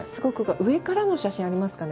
上からの写真ありますかね。